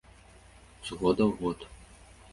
З года ў год.